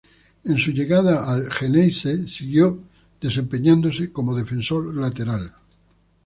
En su llegada al "xeneize" siguió desempeñándose como defensor lateral.